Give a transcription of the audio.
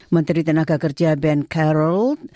menteri tenaga kerja ben carold